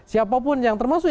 siapapun yang termasuk